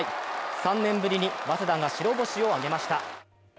３年ぶりに早稲田が白星を挙げました。